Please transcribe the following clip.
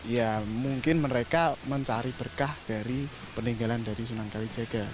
ya mungkin mereka mencari berkah dari peninggalan dari sunan kalijaga